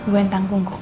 gue yang tanggung kok